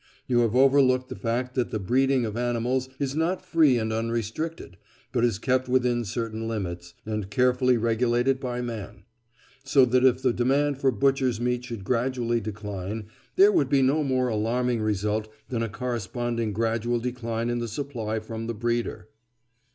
You have overlooked the fact that the breeding of animals is not free and unrestricted, but is kept within certain limits, and carefully regulated by man; so that if the demand for butchers' meat should gradually decline, there would be no more alarming result than a corresponding gradual decline in the supply from the breeder.